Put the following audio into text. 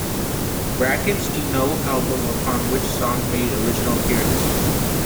Brackets denote album upon which song made original appearance.